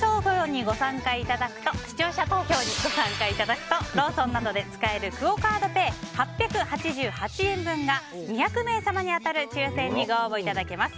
視聴者投票にご参加いただくとローソンなどで使えるクオ・カードペイ８８８円分が２００名様に当たる抽選にご応募いただけます。